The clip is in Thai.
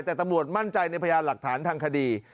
แต่ตำรวจมั่นใจในพยานหลักฐานทางคดี